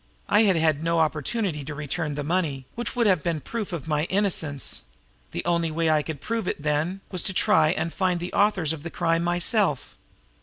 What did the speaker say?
I had had no opportunity to return the money, which would have been proof of my innocence; the only way I could prove it, then, was to try and find the authors of the crime myself.